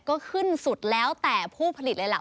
ก็ขึ้นสุดแล้วแต่ผู้ผลิตเลยล่ะ